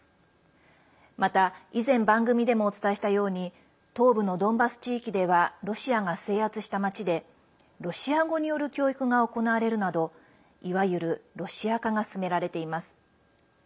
また、以前番組でもお伝えしたように東部のドンバス地域ではロシアが制圧した町でロシア語による教育が行われるなどいわゆるロシア化が進められています。